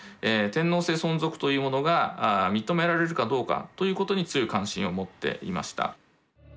天皇制存続というものが認められるかどうかということに強い関心を持っていました。